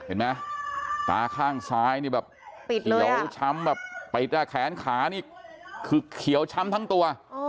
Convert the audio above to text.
เห็นไหมตาข้างซ้ายนี่แบบเขียวช้ำแบบปิดอ่ะแขนขานี่คือเขียวช้ำทั้งตัว